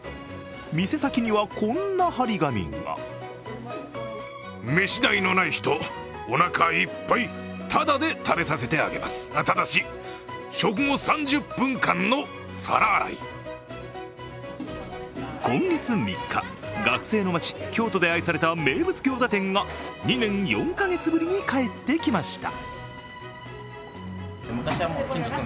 店先にはこんな貼り紙が今月３日、学生の街・京都で愛された名物餃子店が２年４か月ぶりに帰ってきました。